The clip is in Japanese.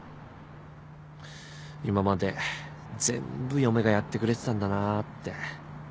今まで全部嫁がやってくれてたんだなぁって。